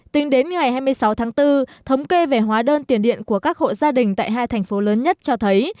tính đến ngày hai mươi sáu tháng bốn thống kê về hóa đơn tiền điện của các hộ gia đình tại hai thành phố lớn nhất cho thấy